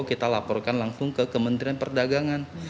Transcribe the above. kita laporkan langsung ke kementerian perdagangan